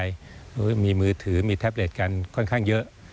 มีมือถือมีแท็บเล็ตกันค่อนข้างเยอะ